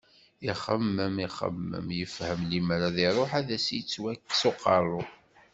Ixemmem, ixemmem, yefhem limer ad iruḥ ad as-yettwikkes uqerru.